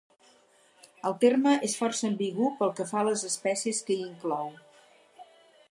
El terme es força ambigu pel que fa a les espècies que hi inclou.